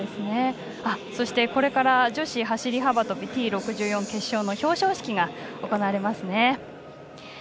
そして、これから女子走り幅跳びＴ６４決勝の表彰式が行われます。